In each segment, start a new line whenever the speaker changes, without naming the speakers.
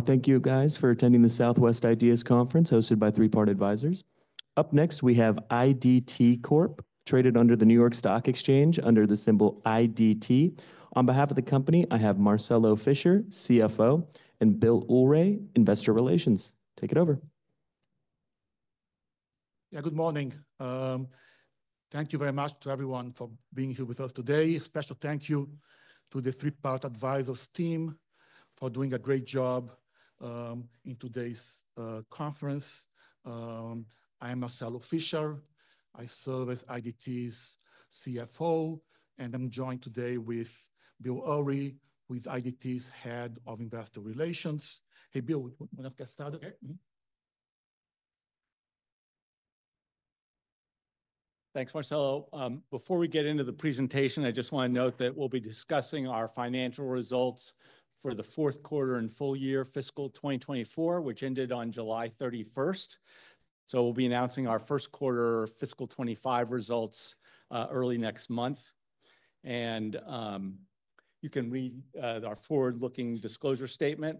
Thank you, guys, for attending the Southwest IDEAS Conference hosted by Three Part Advisors. Up next, we have IDT Corp, traded under the New York Stock Exchange under the symbol IDT. On behalf of the company, I have Marcelo Fischer, CFO, and Bill Ulrey, Investor Relations. Take it over.
Yeah, good morning. Thank you very much to everyone for being here with us today. A special thank you to the Three Part Advisors team for doing a great job in today's conference. I am Marcelo Fischer. I serve as IDT's CFO, and I'm joined today with Bill Ulrey, IDT's Head of Investor Relations. Hey, Bill, you want to get started?
Thanks, Marcelo. Before we get into the presentation, I just want to note that we'll be discussing our financial results for the fourth quarter and full year, fiscal 2024, which ended on July 31st. So we'll be announcing our first quarter fiscal 2025 results early next month. And you can read our forward-looking disclosure statement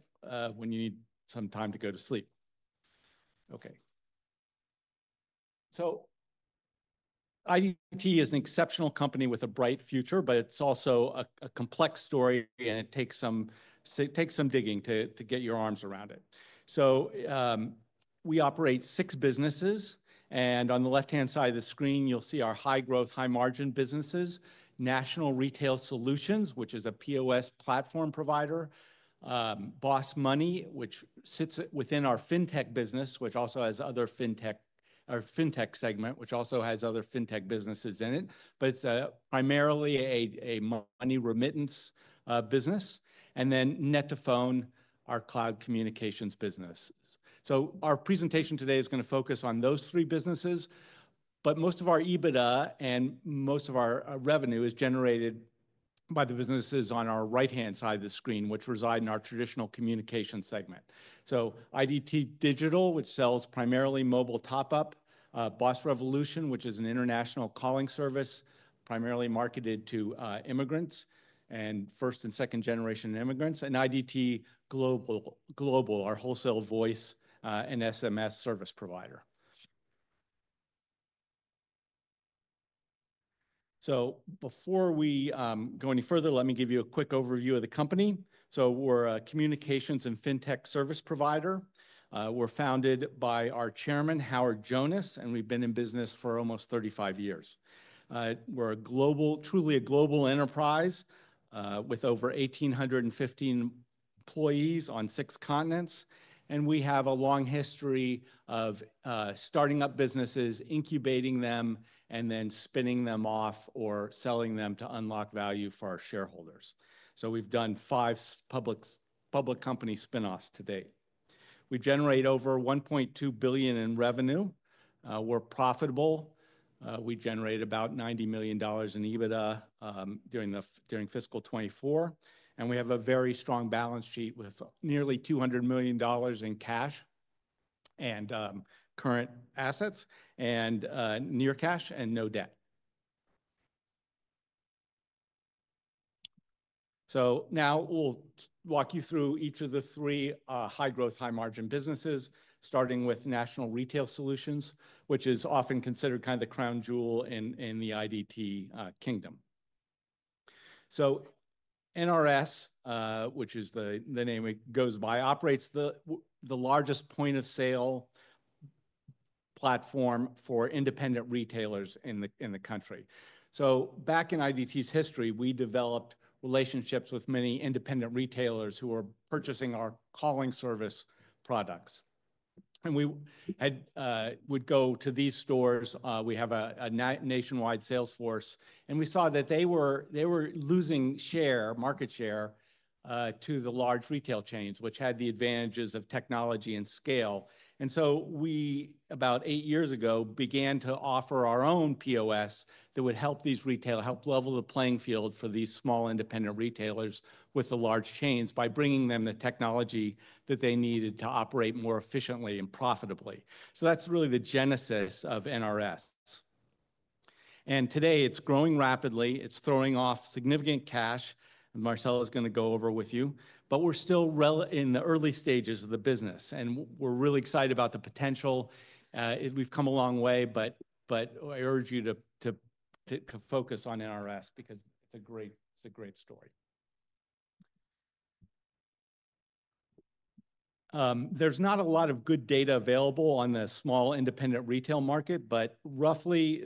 when you need some time to go to sleep. Okay. So IDT is an exceptional company with a bright future, but it's also a complex story, and it takes some digging to get your arms around it. We operate six businesses, and on the left-hand side of the screen, you'll see our high-growth, high-margin businesses, National Retail Solutions, which is a POS platform provider, BOSS Money, which sits within our fintech business, which also has other fintech businesses in it, but it's primarily a money remittance business, and then net2phone, our cloud communications business. Our presentation today is going to focus on those three businesses, but most of our EBITDA and most of our revenue is generated by the businesses on our right-hand side of the screen, which reside in our traditional communication segment. IDT Digital, which sells primarily mobile top-up, BOSS Revolution, which is an international calling service primarily marketed to immigrants and first and second-generation immigrants, and IDT Global, our wholesale voice and SMS service provider. Before we go any further, let me give you a quick overview of the company. We're a communications and fintech service provider. We're founded by our chairman, Howard Jonas, and we've been in business for almost 35 years. We're truly a global enterprise with over 1,815 employees on six continents, and we have a long history of starting up businesses, incubating them, and then spinning them off or selling them to unlock value for our shareholders. We've done five public company spinoffs to date. We generate over $1.2 billion in revenue. We're profitable. We generate about $90 million in EBITDA during fiscal 2024, and we have a very strong balance sheet with nearly $200 million in cash and current assets and near cash and no debt. So now we'll walk you through each of the three high-growth, high-margin businesses, starting with National Retail Solutions, which is often considered kind of the crown jewel in the IDT kingdom. So NRS, which is the name it goes by, operates the largest point-of-sale platform for independent retailers in the country. So back in IDT's history, we developed relationships with many independent retailers who were purchasing our calling service products. And we would go to these stores. We have a nationwide sales force, and we saw that they were losing market share to the large retail chains, which had the advantages of technology and scale. And so we, about eight years ago, began to offer our own POS that would help these retailers, help level the playing field for these small independent retailers with the large chains by bringing them the technology that they needed to operate more efficiently and profitably. So that's really the genesis of NRS. And today it's growing rapidly. It's throwing off significant cash. Marcelo is going to go over with you, but we're still in the early stages of the business, and we're really excited about the potential. We've come a long way, but I urge you to focus on NRS because it's a great story. There's not a lot of good data available on the small independent retail market, but roughly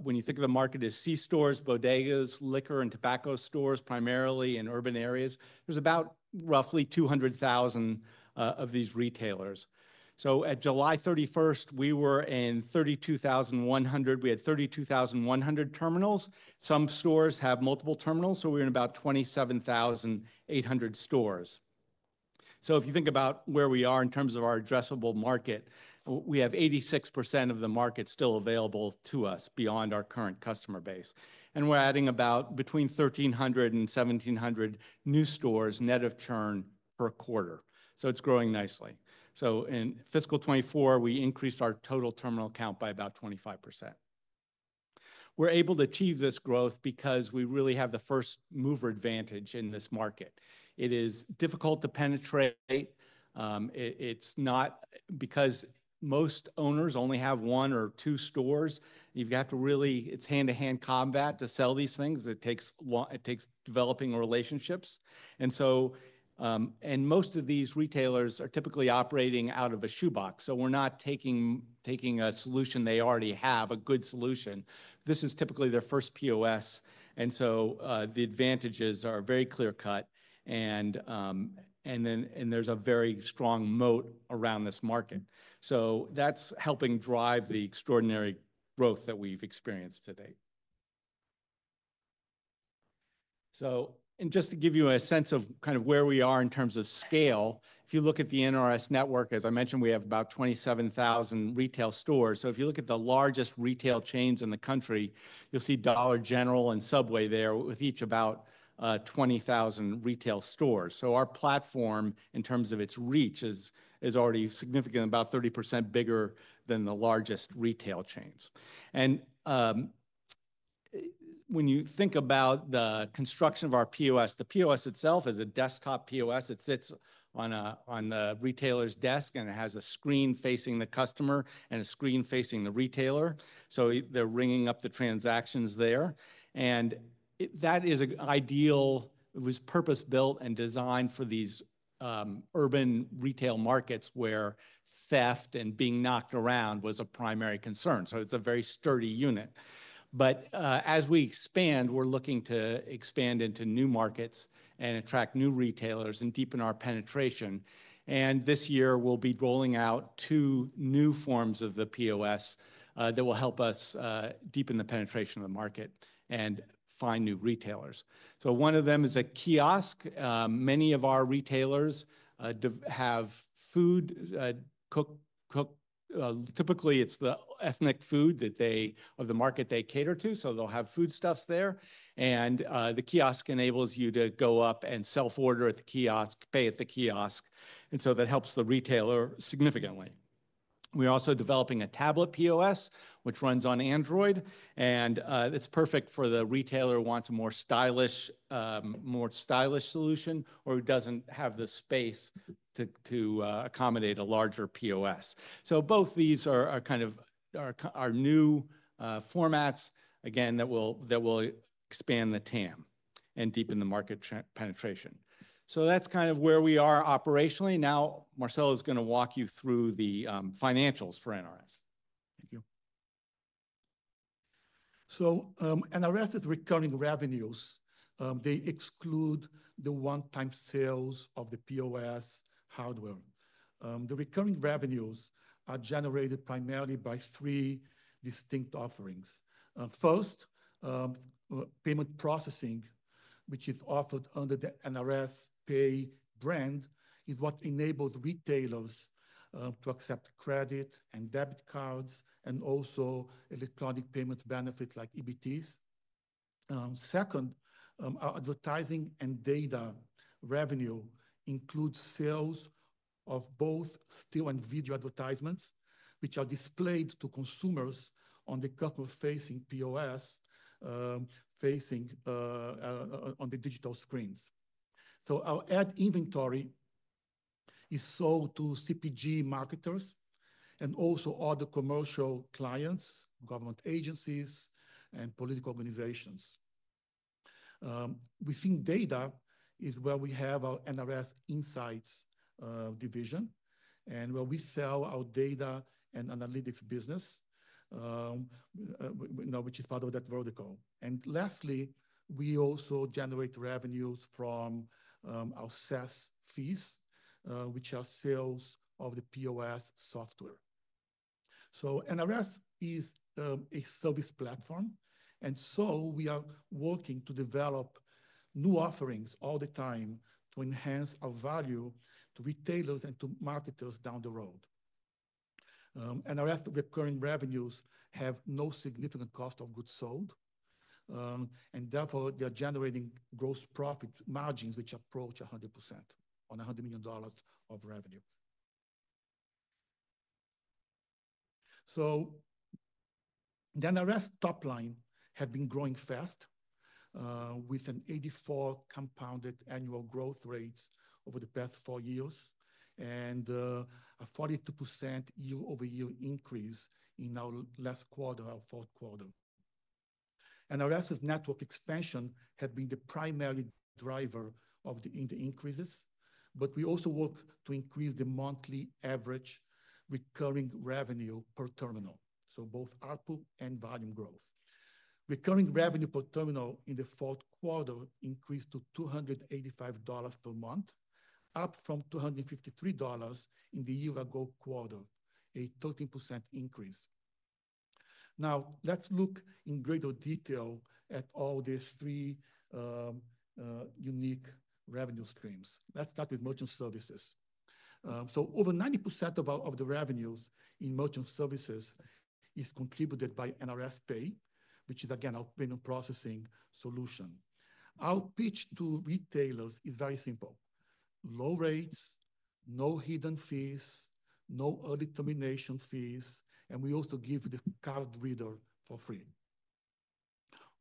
when you think of the market as c-stores, bodegas, liquor and tobacco stores primarily in urban areas, there's about roughly 200,000 of these retailers. So at July 31st, we were in 32,100. We had 32,100 terminals. Some stores have multiple terminals, so we're in about 27,800 stores. So if you think about where we are in terms of our addressable market, we have 86% of the market still available to us beyond our current customer base. And we're adding about between 1,300 and 1,700 new stores net of churn per quarter. So it's growing nicely. So in fiscal 2024, we increased our total terminal count by about 25%. We're able to achieve this growth because we really have the first mover advantage in this market. It is difficult to penetrate. It's not because most owners only have one or two stores. You've got to really. It's hand-to-hand combat to sell these things. It takes developing relationships. And most of these retailers are typically operating out of a shoebox. We're not taking a solution they already have, a good solution. This is typically their first POS. And so the advantages are very clear-cut. And there's a very strong moat around this market. So that's helping drive the extraordinary growth that we've experienced today. So just to give you a sense of kind of where we are in terms of scale, if you look at the NRS network, as I mentioned, we have about 27,000 retail stores. So if you look at the largest retail chains in the country, you'll see Dollar General and Subway there with each about 20,000 retail stores. So our platform, in terms of its reach, is already significantly about 30% bigger than the largest retail chains. And when you think about the construction of our POS, the POS itself is a desktop POS. It sits on the retailer's desk, and it has a screen facing the customer and a screen facing the retailer. So they're ringing up the transactions there, and that is an ideal. It was purpose-built and designed for these urban retail markets where theft and being knocked around was a primary concern. So it's a very sturdy unit, but as we expand, we're looking to expand into new markets and attract new retailers and deepen our penetration, and this year, we'll be rolling out two new forms of the POS that will help us deepen the penetration of the market and find new retailers, so one of them is a kiosk. Many of our retailers have food typically, it's the ethnic food of the market they cater to, so they'll have foodstuffs there, and the kiosk enables you to go up and self-order at the kiosk, pay at the kiosk. And so that helps the retailer significantly. We're also developing a tablet POS, which runs on Android. And it's perfect for the retailer who wants a more stylish solution or who doesn't have the space to accommodate a larger POS. So both these are kind of our new formats, again, that will expand the TAM and deepen the market penetration. So that's kind of where we are operationally. Now, Marcelo is going to walk you through the financials for NRS. Thank you.
NRS's recurring revenues exclude the one-time sales of the POS hardware. The recurring revenues are generated primarily by three distinct offerings. First, payment processing, which is offered under the NRS Pay brand, is what enables retailers to accept credit and debit cards and also electronic payment benefits like EBTs. Second, our advertising and data revenue includes sales of both still and video advertisements, which are displayed to consumers on the customer-facing POS on the digital screens. Our ad inventory is sold to CPG marketers and also other commercial clients, government agencies, and political organizations. Within data is where we have our NRS Insights division and where we sell our data and analytics business, which is part of that vertical. Lastly, we also generate revenues from our SaaS fees, which are sales of the POS software. NRS is a service platform. And so we are working to develop new offerings all the time to enhance our value to retailers and to marketers down the road. NRS recurring revenues have no significant cost of goods sold. And therefore, they are generating gross profit margins, which approach 100% on $100 million of revenue. So the NRS top line has been growing fast with an 84% compounded annual growth rate over the past four years and a 42% year-over-year increase in our last quarter or fourth quarter. NRS's network expansion has been the primary driver of the increases, but we also work to increase the monthly average recurring revenue per terminal, so both output and volume growth. Recurring revenue per terminal in the fourth quarter increased to $285 per month, up from $253 in the year-ago quarter, a 13% increase. Now, let's look in greater detail at all these three unique revenue streams. Let's start with merchant services. So over 90% of the revenues in merchant services is contributed by NRS Pay, which is, again, our payment processing solution. Our pitch to retailers is very simple: low rates, no hidden fees, no early termination fees, and we also give the card reader for free.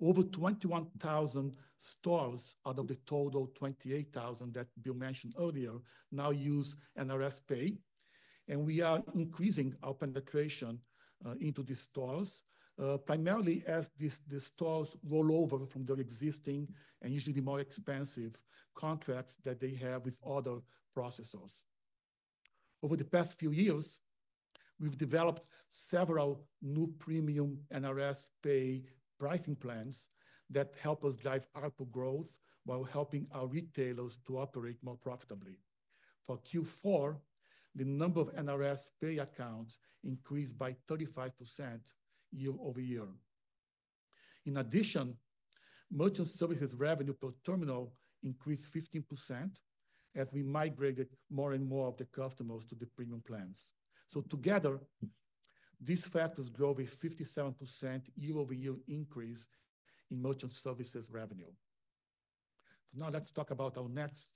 Over 21,000 stores out of the total 28,000 that Bill mentioned earlier now use NRS Pay. And we are increasing our penetration into these stores primarily as the stores roll over from their existing and usually the more expensive contracts that they have with other processors. Over the past few years, we've developed several new premium NRS Pay pricing plans that help us drive output growth while helping our retailers to operate more profitably. For Q4, the number of NRS Pay accounts increased by 35% year-over-year. In addition, merchant services revenue per terminal increased 15% as we migrated more and more of the customers to the premium plans. So together, these factors drove a 57% year-over-year increase in merchant services revenue. Now, let's talk about our next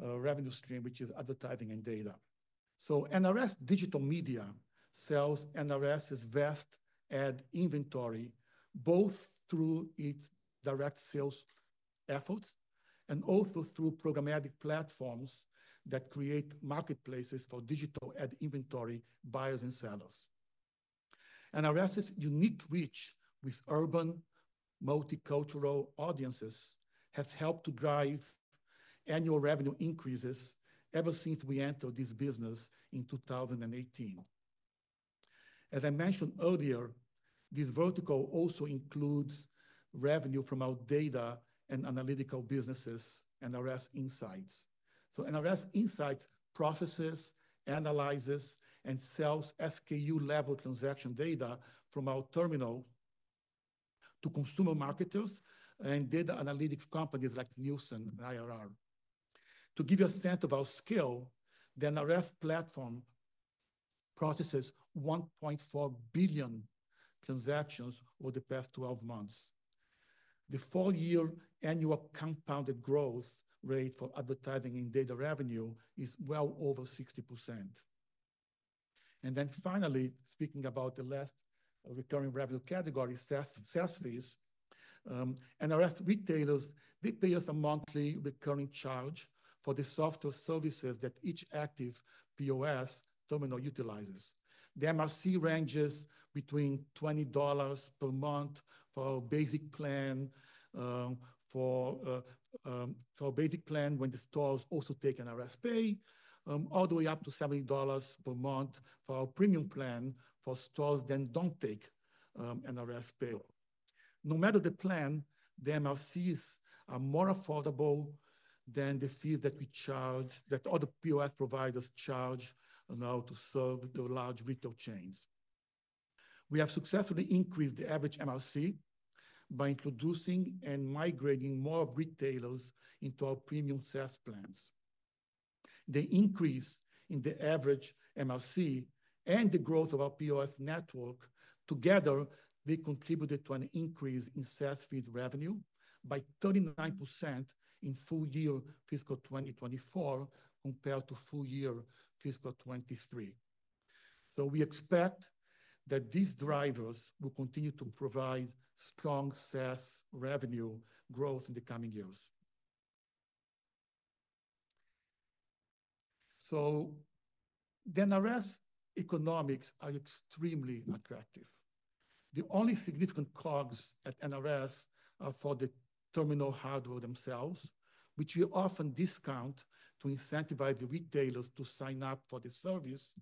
revenue stream, which is advertising and data. So NRS Digital Media sells NRS's vast ad inventory both through its direct sales efforts and also through programmatic platforms that create marketplaces for digital ad inventory buyers and sellers. NRS's unique reach with urban multicultural audiences has helped to drive annual revenue increases ever since we entered this business in 2018. As I mentioned earlier, this vertical also includes revenue from our data and analytical businesses, NRS Insights. So NRS Insights processes, analyzes, and sells SKU-level transaction data from our terminal to consumer marketers and data analytics companies like Nielsen and IRI. To give you a sense of our scale, the NRS platform processes 1.4 billion transactions over the past 12 months. The four-year annual compounded growth rate for advertising and data revenue is well over 60%. And then finally, speaking about the last recurring revenue category, SaaS fees, NRS retailers, they pay us a monthly recurring charge for the software services that each active POS terminal utilizes. The MRC ranges between $20 per month for our basic plan when the stores also take NRS Pay, all the way up to $70 per month for our premium plan for stores that don't take NRS Pay. No matter the plan, the MRCs are more affordable than the fees that other POS providers charge now to serve the large retail chains. We have successfully increased the average MRC by introducing and migrating more retailers into our premium SaaS plans. The increase in the average MRC and the growth of our POS network together, they contributed to an increase in SaaS fees revenue by 39% in full year fiscal 2024 compared to full year fiscal 2023. So we expect that these drivers will continue to provide strong SaaS revenue growth in the coming years. So the NRS economics are extremely attractive. The only significant costs at NRS are for the terminal hardware themselves, which we often discount to incentivize the retailers to sign up for the service,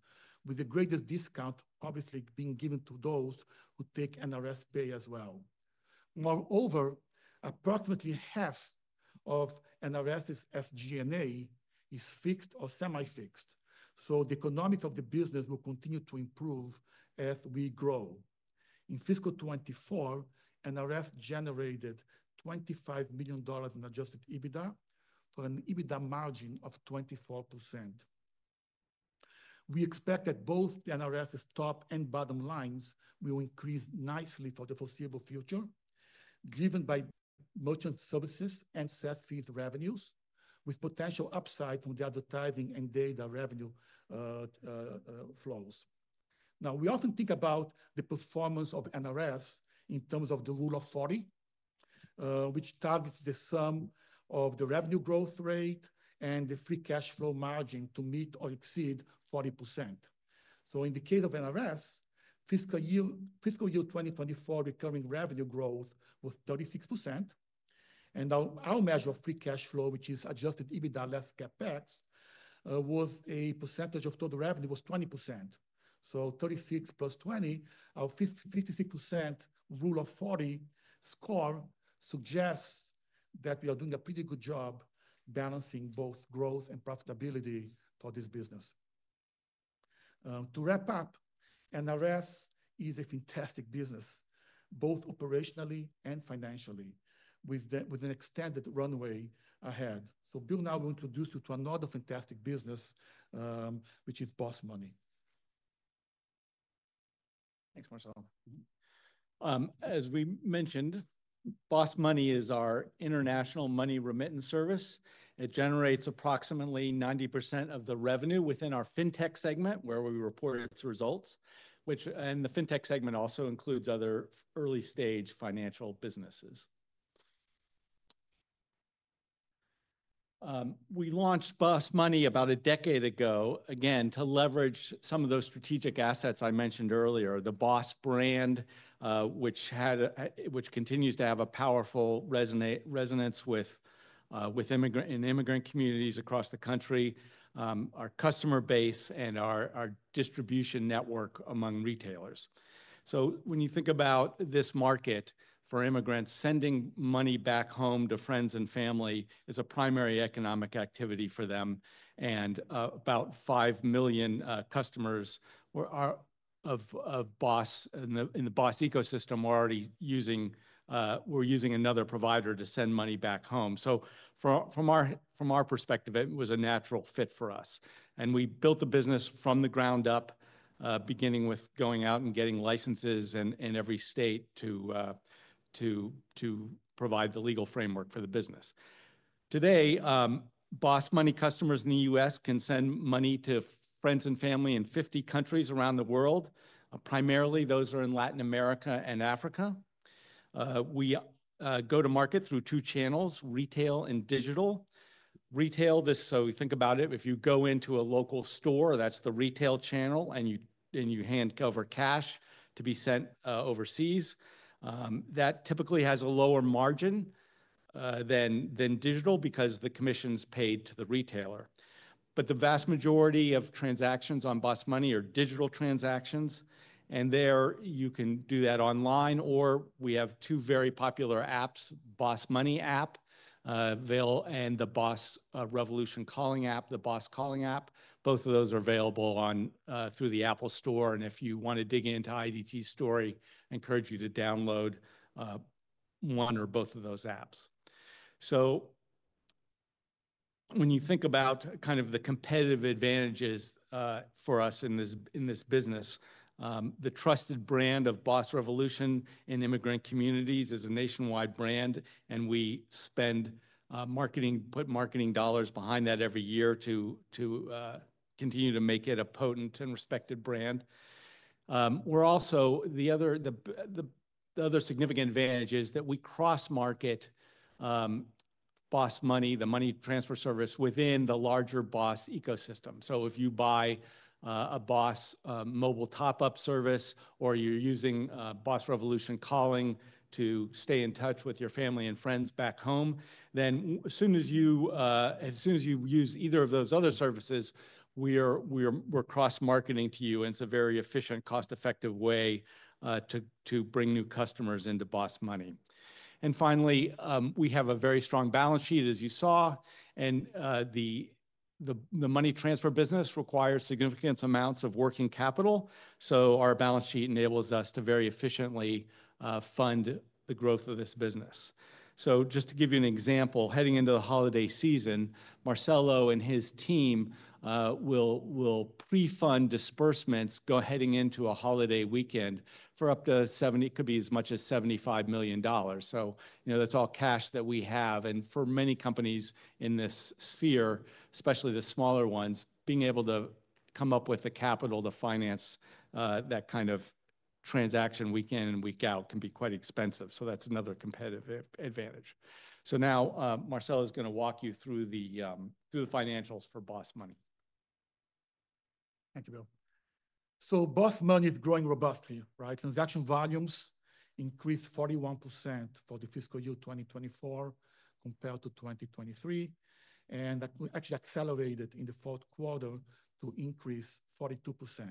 with the greatest discount obviously being given to those who take NRS Pay as well. Moreover, approximately half of NRS's SG&A is fixed or semi-fixed. So the economics of the business will continue to improve as we grow. In fiscal 2024, NRS generated $25 million in adjusted EBITDA for an EBITDA margin of 24%. We expect that both the NRS's top and bottom lines will increase nicely for the foreseeable future, driven by merchant services and SaaS fees revenues, with potential upside from the advertising and data revenue flows. Now, we often think about the performance of NRS in terms of the Rule of 40, which targets the sum of the revenue growth rate and the free cash flow margin to meet or exceed 40%. So in the case of NRS, fiscal year 2024 recurring revenue growth was 36%. And our measure of free cash flow, which is adjusted EBITDA less CapEx, was a percentage of total revenue 20%. So 36% plus 20%, our 56% Rule of 40 score suggests that we are doing a pretty good job balancing both growth and profitability for this business. To wrap up, NRS is a fantastic business, both operationally and financially, with an extended runway ahead. So Bill now will introduce you to another fantastic business, which is BOSS Money.
Thanks, Marcelo. As we mentioned, BOSS Money is our international money remittance service. It generates approximately 90% of the revenue within our fintech segment where we report its results, and the fintech segment also includes other early-stage financial businesses. We launched BOSS Money about a decade ago, again, to leverage some of those strategic assets I mentioned earlier, the BOSS brand, which continues to have a powerful resonance with immigrant communities across the country, our customer base, and our distribution network among retailers. So when you think about this market for immigrants, sending money back home to friends and family is a primary economic activity for them, and about five million customers of BOSS in the BOSS ecosystem were already using another provider to send money back home, so from our perspective, it was a natural fit for us. And we built the business from the ground up, beginning with going out and getting licenses in every state to provide the legal framework for the business. Today, BOSS Money customers in the U.S. can send money to friends and family in 50 countries around the world. Primarily, those are in Latin America and Africa. We go to market through two channels, retail and digital. Retail, so we think about it, if you go into a local store, that's the retail channel, and you hand over cash to be sent overseas. That typically has a lower margin than digital because the commissions paid to the retailer. But the vast majority of transactions on BOSS Money are digital transactions. And there, you can do that online, or we have two very popular apps, BOSS Money app and the BOSS Revolution calling app, the BOSS calling app. Both of those are available through the App Store, and if you want to dig into IDT's story, I encourage you to download one or both of those apps, so when you think about kind of the competitive advantages for us in this business, the trusted brand of BOSS Revolution in immigrant communities is a nationwide brand, and we spend marketing, put marketing dollars behind that every year to continue to make it a potent and respected brand. We're also, the other significant advantage is that we cross-market BOSS Money, the money transfer service within the larger BOSS ecosystem, so if you buy a BOSS mobile top-up service or you're using BOSS Revolution calling to stay in touch with your family and friends back home, then as soon as you use either of those other services, we're cross-marketing to you. It's a very efficient, cost-effective way to bring new customers into BOSS Money. Finally, we have a very strong balance sheet, as you saw. The money transfer business requires significant amounts of working capital. Our balance sheet enables us to very efficiently fund the growth of this business. Just to give you an example, heading into the holiday season, Marcelo and his team will pre-fund disbursements heading into a holiday weekend for up to $70 million, it could be as much as $75 million. That's all cash that we have. For many companies in this sphere, especially the smaller ones, being able to come up with the capital to finance that kind of transaction week in and week out can be quite expensive. That's another competitive advantage. Now, Marcelo is going to walk you through the financials for BOSS Money.
Thank you, Bill. So BOSS Money is growing robustly, right? Transaction volumes increased 41% for the fiscal year 2024 compared to 2023, and actually accelerated in the fourth quarter to increase 42%.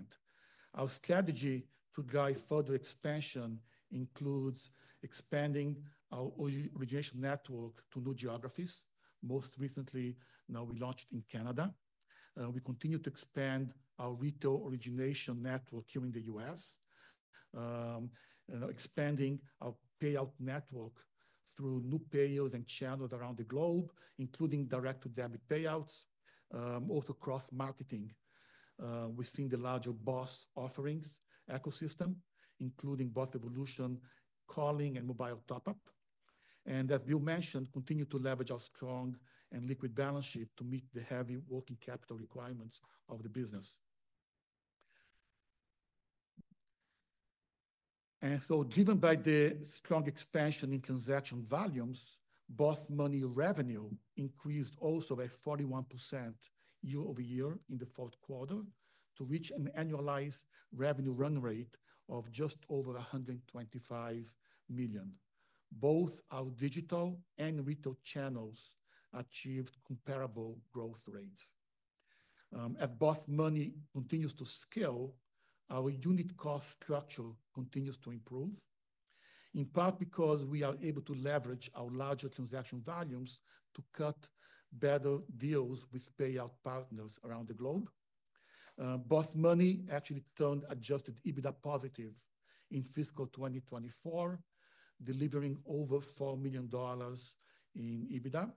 Our strategy to drive further expansion includes expanding our origination network to new geographies. Most recently, now we launched in Canada. We continue to expand our retail origination network here in the U.S., expanding our payout network through new payers and channels around the globe, including direct-to-debit payouts, also cross-marketing within the larger BOSS offerings ecosystem, including BOSS Revolution calling and mobile top-up. And as Bill mentioned, continue to leverage our strong and liquid balance sheet to meet the heavy working capital requirements of the business. And so driven by the strong expansion in transaction volumes, BOSS Money revenue increased also by 41% year-over-year in the fourth quarter to reach an annualized revenue run rate of just over $125 million. Both our digital and retail channels achieved comparable growth rates. As BOSS Money continues to scale, our unit cost structure continues to improve, in part because we are able to leverage our larger transaction volumes to cut better deals with payout partners around the globe. BOSS Money actually turned Adjusted EBITDA positive in fiscal 2024, delivering over $4 million in EBITDA.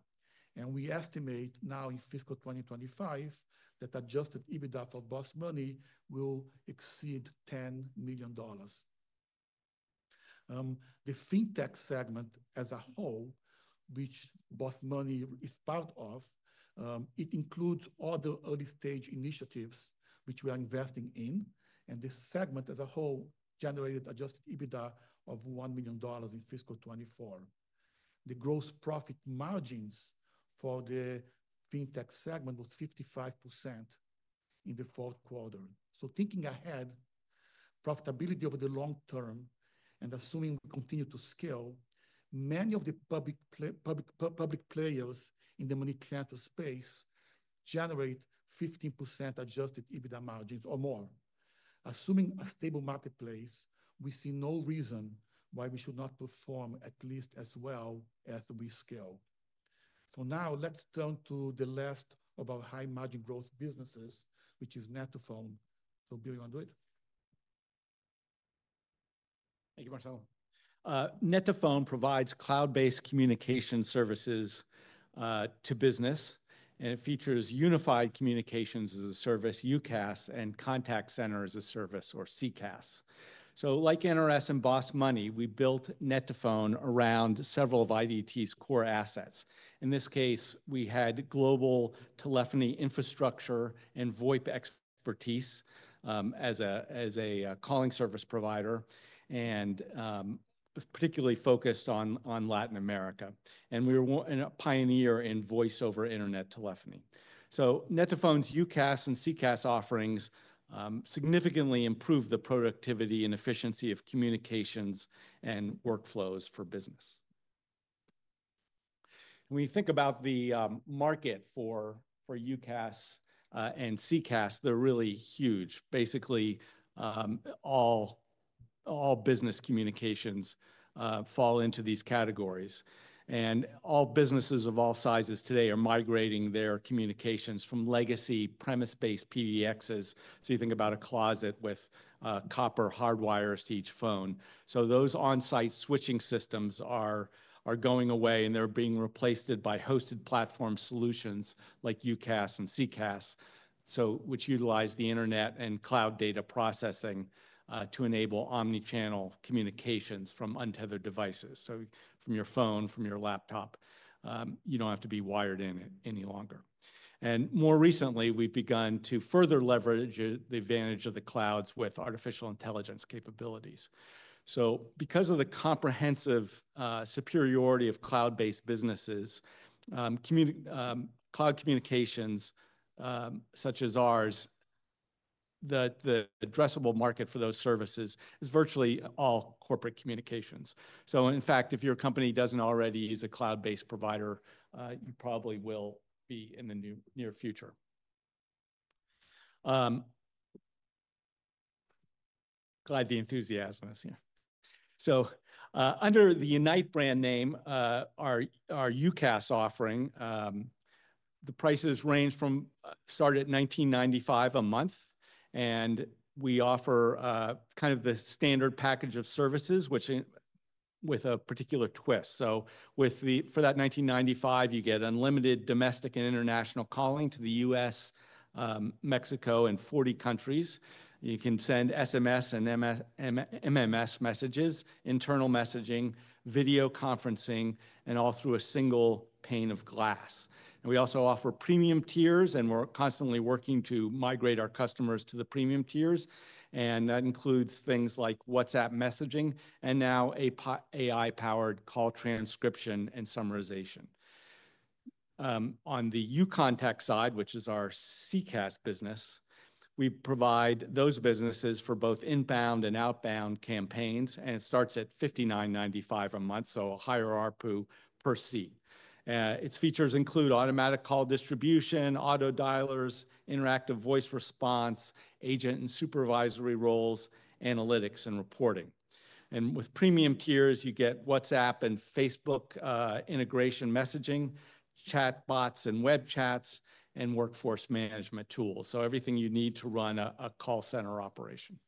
And we estimate now in fiscal 2025 that Adjusted EBITDA for BOSS Money will exceed $10 million. The fintech segment as a whole, which BOSS Money is part of, it includes other early-stage initiatives, which we are investing in. And this segment as a whole generated Adjusted EBITDA of $1 million in fiscal 2024. The gross profit margins for the fintech segment was 55% in the fourth quarter. So thinking ahead, profitability over the long term, and assuming we continue to scale, many of the public players in the money transfer space generate 15% Adjusted EBITDA margins or more. Assuming a stable marketplace, we see no reason why we should not perform at least as well as we scale. So now let's turn to the last of our high-margin growth businesses, which is net2phone. So Bill, you want to do it?
Thank you, Marcelo. net2phone provides cloud-based communication services to business, and it features Unified Communications as a Service, UCaaS, and Contact Center as a Service, or CCaaS. Like NRS and BOSS Money, we built net2phone around several of IDT's core assets. In this case, we had global telephony infrastructure and VoIP expertise as a calling service provider, and particularly focused on Latin America. We were a pioneer in voice-over internet telephony. net2phone's UCaaS and CCaaS offerings significantly improved the productivity and efficiency of communications and workflows for business. When you think about the market for UCaaS and CCaaS, they're really huge. Basically, all business communications fall into these categories. All businesses of all sizes today are migrating their communications from legacy premise-based PBXs. You think about a closet with copper hardwires to each phone. Those on-site switching systems are going away, and they're being replaced by hosted platform solutions like UCaaS and CCaaS, which utilize the internet and cloud data processing to enable omnichannel communications from untethered devices. So from your phone, from your laptop, you don't have to be wired in any longer. And more recently, we've begun to further leverage the advantage of the clouds with artificial intelligence capabilities. So because of the comprehensive superiority of cloud-based businesses, cloud communications such as ours, the addressable market for those services is virtually all corporate communications. So in fact, if your company doesn't already use a cloud-based provider, you probably will be in the near future. Glad the enthusiasm is here. So under the Unite brand name, our UCaaS offering, the prices range from start at $19.95 a month, and we offer kind of the standard package of services with a particular twist. So for that $19.95, you get unlimited domestic and international calling to the U.S., Mexico, and 40 countries. You can send SMS and MMS messages, internal messaging, video conferencing, and all through a single pane of glass. And we also offer premium tiers, and we're constantly working to migrate our customers to the premium tiers. And that includes things like WhatsApp messaging and now AI-powered call transcription and summarization. On the uContact side, which is our CCaaS business, we provide those businesses for both inbound and outbound campaigns, and it starts at $59.95 a month, so a higher RPU per seat. Its features include automatic call distribution, auto dialers, interactive voice response, agent and supervisory roles, analytics, and reporting. And with premium tiers, you get WhatsApp and Facebook integration messaging, chatbots and web chats, and workforce management tools. So everything you need to run a call center operation.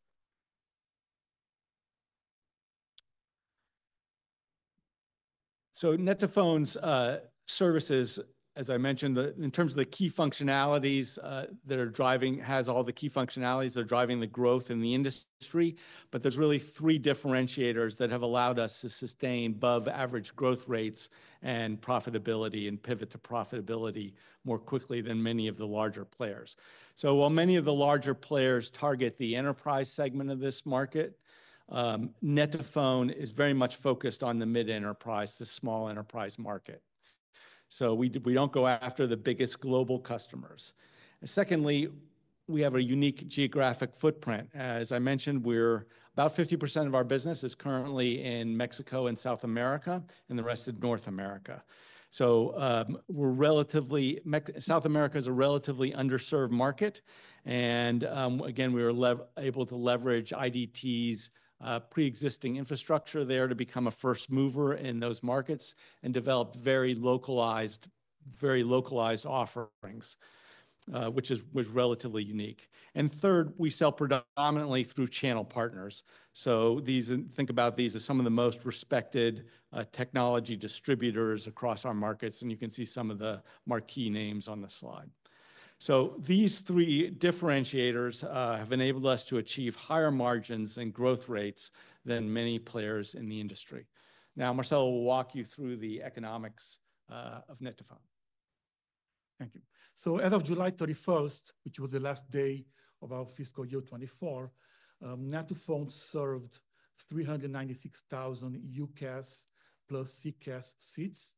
Net2phone's services, as I mentioned, in terms of the key functionalities that are driving, has all the key functionalities that are driving the growth in the industry. But there's really three differentiators that have allowed us to sustain above-average growth rates and profitability and pivot to profitability more quickly than many of the larger players. While many of the larger players target the enterprise segment of this market, net2phone is very much focused on the mid-enterprise, the small enterprise market. We don't go after the biggest global customers. Secondly, we have a unique geographic footprint. As I mentioned, we're about 50% of our business is currently in Mexico and South America and the rest of North America. South America is a relatively underserved market. Again, we were able to leverage IDT's pre-existing infrastructure there to become a first mover in those markets and develop very localized offerings, which was relatively unique. And third, we sell predominantly through channel partners. So think about these as some of the most respected technology distributors across our markets. And you can see some of the marquee names on the slide. So these three differentiators have enabled us to achieve higher margins and growth rates than many players in the industry. Now, Marcelo will walk you through the economics of net2phone.
Thank you. So as of July 31st, which was the last day of our fiscal year 2024, net2phone served 396,000 UCaaS plus CCaaS seats,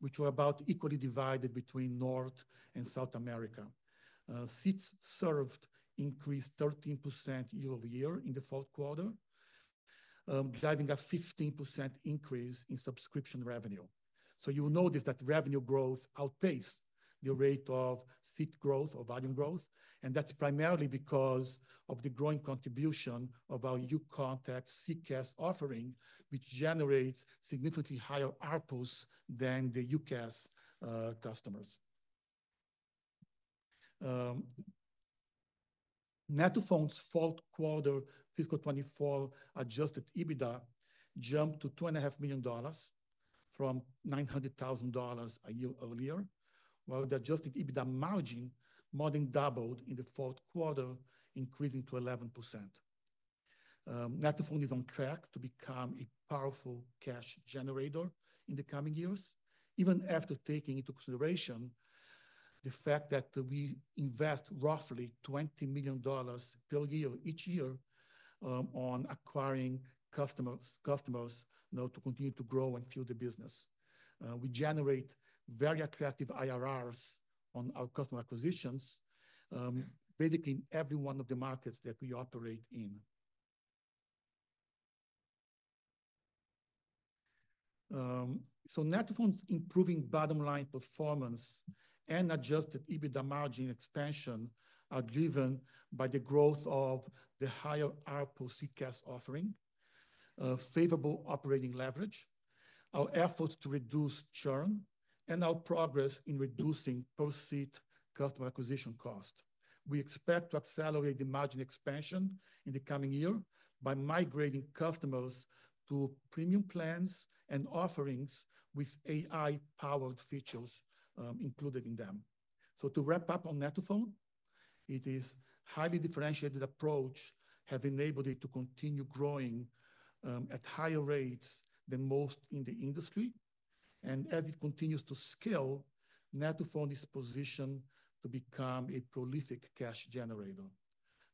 which were about equally divided between North and South America. Seats served increased 13% year-over-year in the fourth quarter, driving a 15% increase in subscription revenue. So you will notice that revenue growth outpaced the rate of seat growth or volume growth. And that's primarily because of the growing contribution of our uContact CCaaS offering, which generates significantly higher RPUs than the UCaaS customers. net2phone's fourth quarter fiscal 2024 Adjusted EBITDA jumped to $2.5 million from $900,000 a year earlier, while the Adjusted EBITDA margin more than doubled in the fourth quarter, increasing to 11%. net2phone is on track to become a powerful cash generator in the coming years, even after taking into consideration the fact that we invest roughly $20 million per year each year on acquiring customers to continue to grow and fill the business. We generate very attractive IRRs on our customer acquisitions, basically in every one of the markets that we operate in. net2phone's improving bottom-line performance and adjusted EBITDA margin expansion are driven by the growth of the higher RPU CCaaS offering, favorable operating leverage, our efforts to reduce churn, and our progress in reducing per-seat customer acquisition cost. We expect to accelerate the margin expansion in the coming year by migrating customers to premium plans and offerings with AI-powered features included in them. So to wrap up on net2phone, it is a highly differentiated approach that has enabled it to continue growing at higher rates than most in the industry. And as it continues to scale, net2phone is positioned to become a prolific cash generator.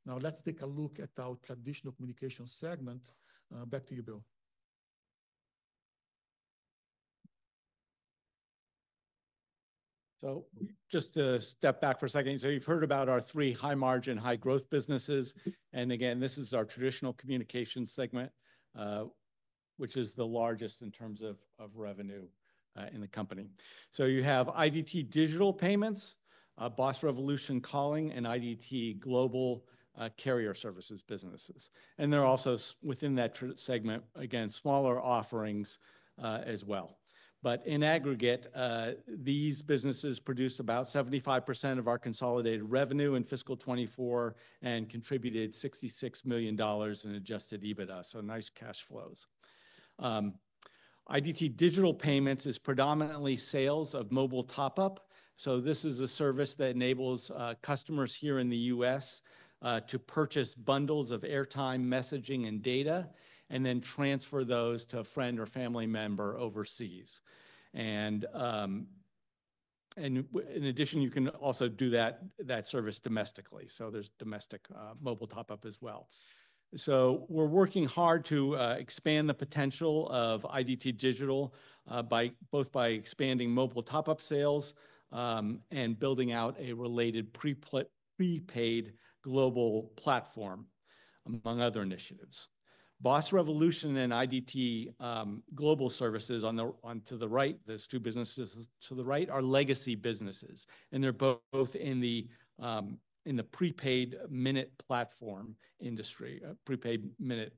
Now, let's take a look at our traditional communication segment. Back to you, Bill.
Just to step back for a second, you've heard about our three high-margin, high-growth businesses. Again, this is our traditional communication segment, which is the largest in terms of revenue in the company. You have IDT Digital Payments, BOSS Revolution calling, and IDT Global carrier services businesses. There are also within that segment, again, smaller offerings as well. But in aggregate, these businesses produce about 75% of our consolidated revenue in fiscal 2024 and contributed $66 million in Adjusted EBITDA. Nice cash flows. IDT Digital Payments is predominantly sales of mobile top-up. This is a service that enables customers here in the U.S. to purchase bundles of airtime, messaging, and data and then transfer those to a friend or family member overseas. In addition, you can also do that service domestically. There's domestic mobile top-up as well. We're working hard to expand the potential of IDT Digital both by expanding mobile top-up sales and building out a related prepaid global platform, among other initiatives. BOSS Revolution and IDT Global services onto the right, those two businesses to the right, are legacy businesses. They're both in the prepaid minute platform industry, prepaid minute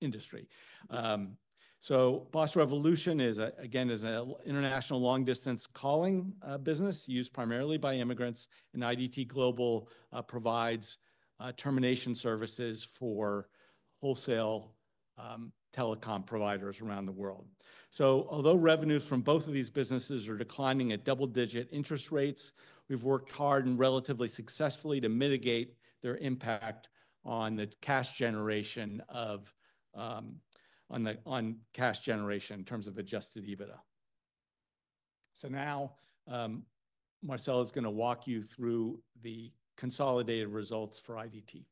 industry. BOSS Revolution, again, is an international long-distance calling business used primarily by immigrants. IDT Global provides termination services for wholesale telecom providers around the world. Although revenues from both of these businesses are declining at double-digit rates, we've worked hard and relatively successfully to mitigate their impact on the cash generation in terms of Adjusted EBITDA. Now, Marcelo is going to walk you through the consolidated results for IDT.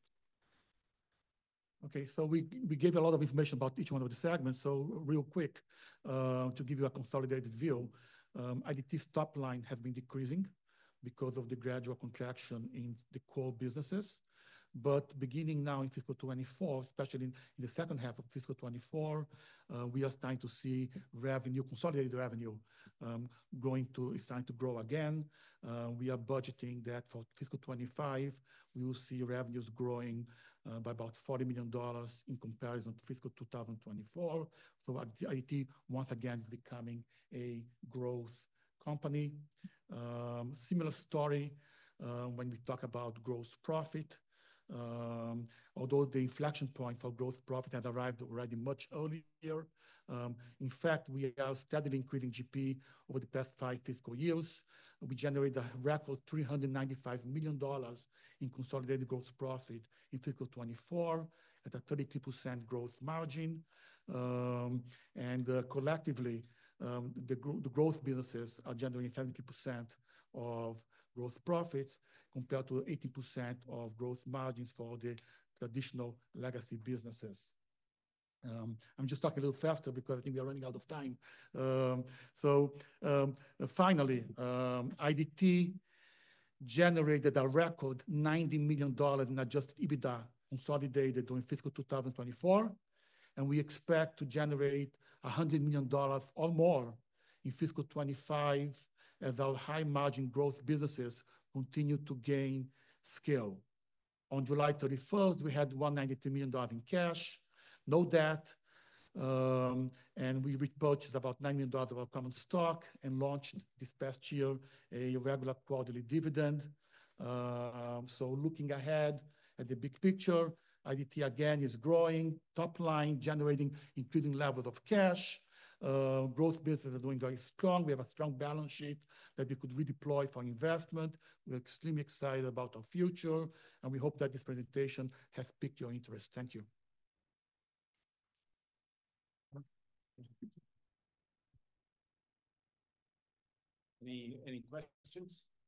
Okay, so we gave a lot of information about each one of the segments, so real quick, to give you a consolidated view, IDT's top line has been decreasing because of the gradual contraction in the core businesses, but beginning now in fiscal 2024, especially in the second half of fiscal 2024, we are starting to see consolidated revenue starting to grow again. We are budgeting that for fiscal 2025, we will see revenues growing by about $40 million in comparison to fiscal 2024, so IDT, once again, is becoming a growth company. Similar story when we talk about gross profit. Although the inflection point for gross profit had arrived already much earlier, in fact, we are steadily increasing GP over the past five fiscal years. We generated a record $395 million in consolidated gross profit in fiscal 2024 at a 33% gross margin. And collectively, the growth businesses are generating 73% of gross profits compared to 18% of gross margins for the traditional legacy businesses. I'm just talking a little faster because I think we are running out of time. So finally, IDT generated a record $90 million in adjusted EBITDA consolidated during fiscal 2024. And we expect to generate $100 million or more in fiscal 2025 as our high-margin growth businesses continue to gain scale. On July 31st, we had $192 million in cash, no debt. And we repurchased about $9 million of our common stock and launched this past year a regular quarterly dividend. So looking ahead at the big picture, IDT again is growing, top line generating increasing levels of cash. Growth businesses are doing very strong. We have a strong balance sheet that we could redeploy for investment. We're extremely excited about our future. We hope that this presentation has piqued your interest. Thank you.
Any questions?
Okay.
Thank you.